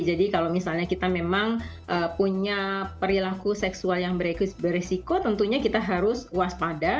jadi kalau misalnya kita memang punya perilaku seksual yang beresiko tentunya kita harus waspada